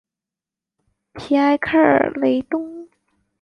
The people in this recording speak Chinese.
皮埃克雷东。